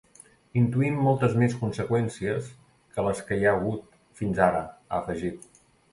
Intuïm moltes més conseqüències que les que hi ha hagut fins ara, ha afegit.